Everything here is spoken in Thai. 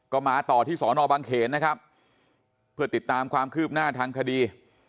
ก็มาต่อที่สอนอบางเขนนะครับเพื่อติดตามความคืบหน้าทางคดี